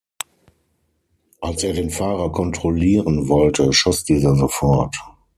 Als er den Fahrer kontrollieren wollte, schoss dieser sofort.